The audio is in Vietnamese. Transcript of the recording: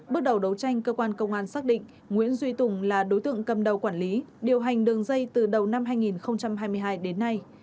bước đầu đấu tranh cơ quan công an xác định nguyễn duy tùng là đối tượng cầm đầu quản lý điều hành đường dây từ đầu năm hai nghìn hai mươi hai đến nay